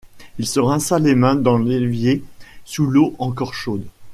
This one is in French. Il se rinça les mains dans l’évier sous l’eau encore chaude.